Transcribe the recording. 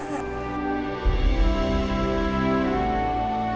ค่ะ